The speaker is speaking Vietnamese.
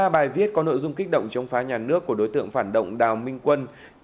một mươi bài viết có nội dung kích động chống phá nhà nước của đối tượng phản động đào minh quân